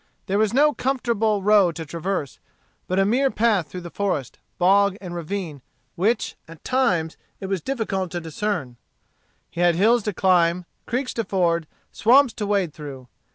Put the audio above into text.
There was no comfortable road to traverse, but a mere path through forest, bog, and ravine, which, at times, it was difficult to discern. He had hills to climb, creeks to ford, swamps to wade through.